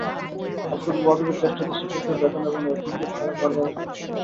আবদুল ওয়াদুদের চেষ্টাতেই শিক্ষকদের বেতন এবং এতিমদের থাকা-খাওয়ার ব্যবস্থা করা হয়।